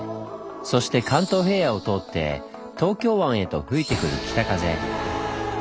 そして関東平野を通って東京湾へと吹いてくる北風。